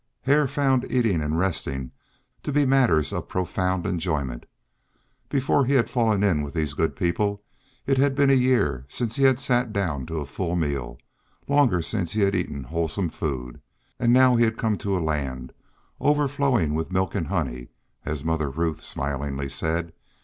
Hare found eating and resting to be matters of profound enjoyment. Before he had fallen in with these good people it had been a year since he had sat down to a full meal; longer still since he had eaten wholesome food. And now he had come to a "land overflowing with milk and honey," as Mother Ruth smilingly said.